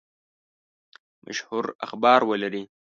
مشهور اخبار ولري.